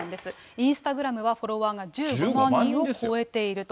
インスタグラムはフォロワーが１５万人を超えていると。